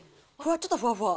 ちょっとふわふわ。